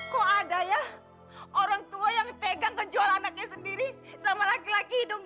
kok ada ya orang tua yang tegang ngejual anaknya sendiri sama laki laki hidung